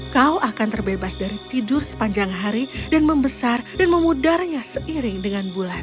kau akan terbebas dari tidur sepanjang hari dan membesar dan memudarnya seiring dengan bulan